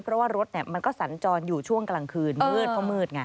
เพราะว่ารถมันก็สันจรอยู่ช่วงกลางคืนเมือดเพราะเมือด